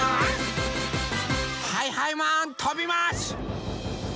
はいはいマンとびます！